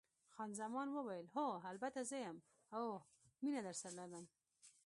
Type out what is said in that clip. خان زمان وویل: هو، البته زه یم، اوه، مینه درسره لرم.